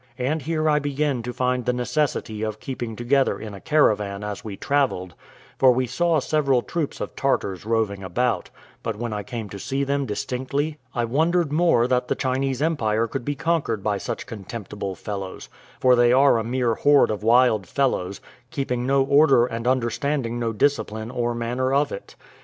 And here I began to find the necessity of keeping together in a caravan as we travelled, for we saw several troops of Tartars roving about; but when I came to see them distinctly, I wondered more that the Chinese empire could be conquered by such contemptible fellows; for they are a mere horde of wild fellows, keeping no order and understanding no discipline or manner of it.